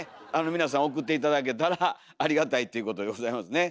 皆さん送って頂けたらありがたいっていうことでございますね。